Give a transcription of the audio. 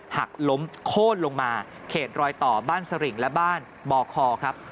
หักล้มโค้นลงมาเขตรอยต่อบ้านสริงและบ้านบ่อคอครับ